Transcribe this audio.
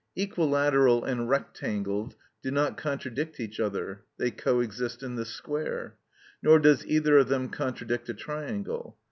Equilateral and rectangled do not contradict each other (they coexist in the square), nor does either of them contradict a triangle.